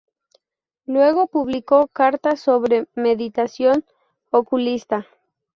Luego publicó "Cartas sobre Meditación Ocultista".